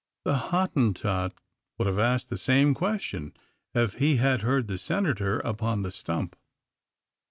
The Hottentot would have asked the same question if he had heard the Senator upon the stump.